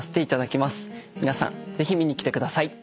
皆さんぜひ見に来てください。